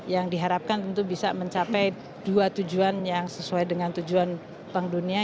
yang diharapkan tentu bisa mencapai dua tujuan yang sesuai dengan tujuan bank dunia